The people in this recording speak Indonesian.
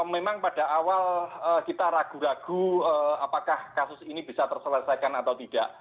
memang pada awal kita ragu ragu apakah kasus ini bisa terselesaikan atau tidak